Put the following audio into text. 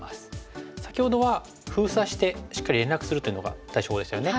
先ほどは封鎖してしっかり連絡するというのが対処法でしたよね。